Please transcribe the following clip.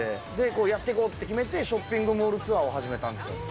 こう、やっていこうって決めて、ショッピングモールツアーを始めたんですよ。